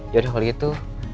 yaudah kalau gitu